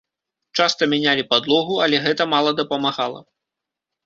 Часта мянялі падлогу, але гэта мала дапамагала.